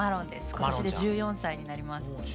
今年で１４歳になります。